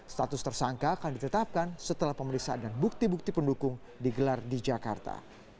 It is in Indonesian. status tersangka akan ditetapkan setelah pemeriksaan dan bukti bukti pendukung digelar di jakarta